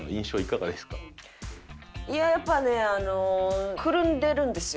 いやあやっぱねあのくるんでいるんですよ